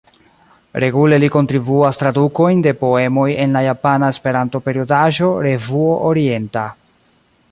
Regule li kontribuas tradukojn de poemoj en la japana Esperanto-periodaĵo Revuo Orienta.